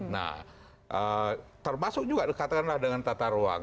nah termasuk juga katakanlah dengan tata ruang